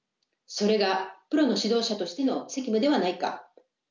それがプロの指導者としての責務ではないか？